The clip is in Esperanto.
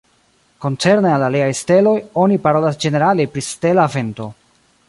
Koncerne al aliaj steloj, oni parolas ĝenerale pri stela vento.